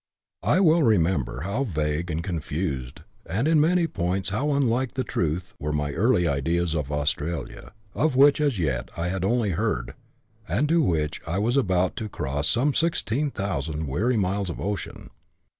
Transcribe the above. I WELL remember how vague and confused, and in many points how unlike the truth, were m^ early ideas of Australia, of which as yet I had only heard, and to see which I was about to cross some sixteen thousand weary miles of ocean.